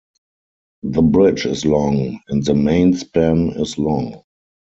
The bridge is long and the main span is long.